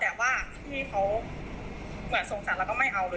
แต่ว่าพี่เขาเหมือนสงสารแล้วก็ไม่เอาเลย